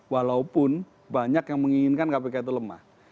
walaupun banyak yang menginginkan kpk itu lemah